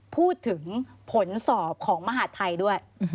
พูดถึงผลสอบของมหาดไทยด้วย